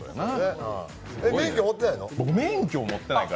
免許持ってないの？